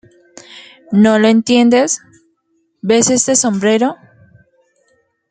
¿ No lo entiendes? ¿ ves este sombrero?